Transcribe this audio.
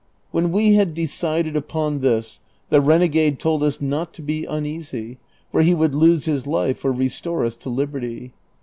When we had decided upon this the renegade told us not to be uneasy, for he would lose his life or restore us to liberty.